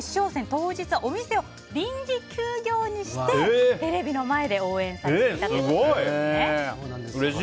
当日はお店を臨時休業にしてテレビの前で応援されていたということです。